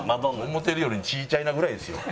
思うてるよりちいちゃいなぐらいですよ。